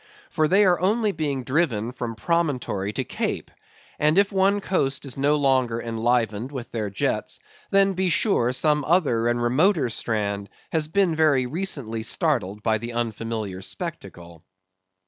For they are only being driven from promontory to cape; and if one coast is no longer enlivened with their jets, then, be sure, some other and remoter strand has been very recently startled by the unfamiliar spectacle.